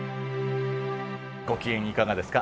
ご機嫌いかがですか？